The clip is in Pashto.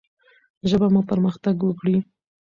ژبه مو پرمختګ وکړي.